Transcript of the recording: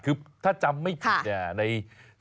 คือถ้าจำไม่ผิดใน๒๔